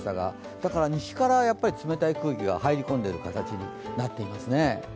だから西から冷たい空気が入り込んでる形になっていますね。